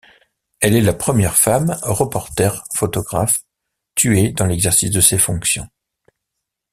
Elle est la première femme reporter photographe tuée dans l'exercice de ses fonctions.